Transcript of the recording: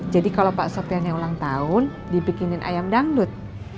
jadi kalau pak sopyan yang ulang tahun dibikinin ayam dangdut